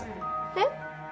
えっ？